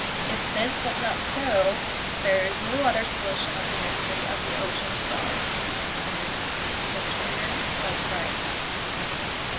If this was not so, there is no other solution of the mystery of the Ocean Star, and the trimmer was right.